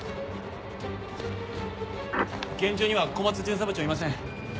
・現場には小松巡査部長いません。